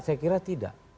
saya kira tidak